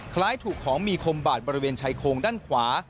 ภาระใดถูกของมีคมบาดบริเวณใช้โครงด้านขวา